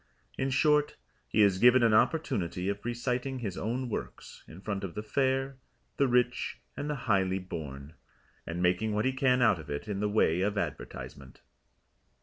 In short, he is given an opportunity of reciting his own works in front of the Fair, the Rich and the Highly Born, and making what he can out of it in the way of advertisement.